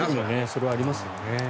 それはありますよね。